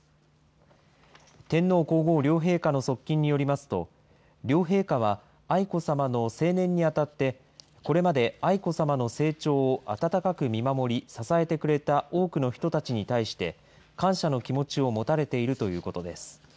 天皇皇后両陛下の側近によりますと、両陛下は、愛子さまの成年にあたって、これまで愛子さまの成長を温かく見守り、支えてくれた多くの人たちに対して、感謝の気持ちを持たれているということです。